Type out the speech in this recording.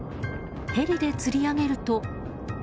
ヘリでつり上げると。